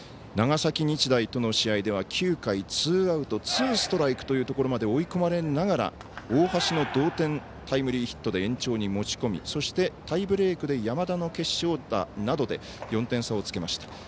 長崎日大との試合では９回ツーアウト、ツーストライクというところまで追い込まれながら大橋の同点タイムリーヒットで延長に持ち込みタイブレークで山田の決勝打などで４点差をつけました。